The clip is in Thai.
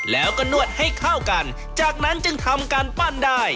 แล้วก็นวดให้เข้ากันจากนั้นจึงทำการปั้นได้